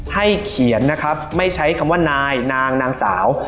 ให้เขียนนะครับไม่ใช้คำว่านายนางนางสาว